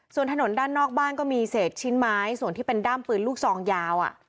ส่วนถนนด้านนอกบ้านก็มีเศษชิ้นไม้ส่วนที่เป็นด้ามปืนลูกซองยาว